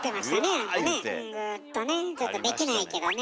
あれねグーッとねちょっとできないけどね